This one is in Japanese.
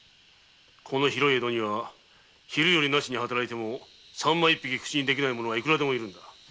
この広い江戸には昼夜なしに働いてもサンマ一尾口にできない者がいくらでもいるのだ。